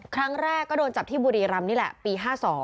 ครั้งแรกก็โดนจับที่บุรีรำนี่แหละปี๕๒